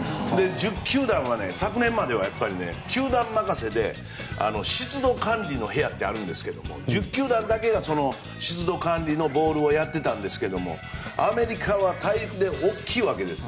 １０球団は昨年までは球団任せで湿度管理の部屋があるんですけど１０球団だけが湿度管理のボールをやってたんですけどアメリカは大陸で大きいわけです。